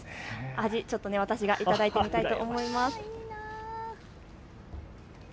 味、ちょっと私が頂いてみたいと思います。